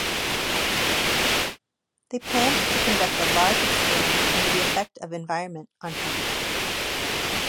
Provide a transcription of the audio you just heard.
They planned to conduct a large experiment into the effect of environment on health.